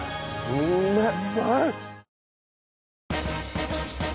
うまい。